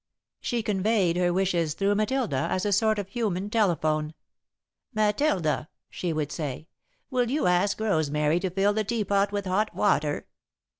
She conveyed her wishes through Matilda, as a sort of human telephone. "Matilda," she would say, "will you ask Rosemary to fill the tea pot with hot water?"